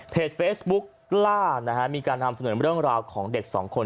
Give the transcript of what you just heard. เฟซบุ๊กกล้านะฮะมีการนำเสนอเรื่องราวของเด็กสองคน